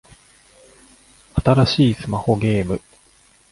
新しいスマホゲーム